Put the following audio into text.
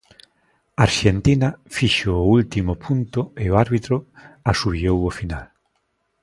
Arxentina fixo o último punto e o árbitro asubiou o final.